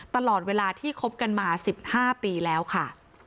ตลอดเวลาที่คบกันมา๑๕ปีแล้วค่ะ